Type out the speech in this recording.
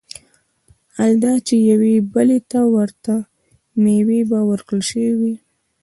حال دا چي يوې بلي ته ورته مېوې به وركړى شوې وي